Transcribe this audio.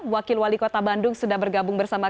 wakil wali kota bandung sudah bergabung bersama